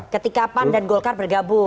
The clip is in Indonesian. ketika pan dan golkar bergabung